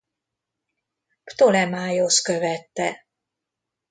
Ptolemaiosz követte.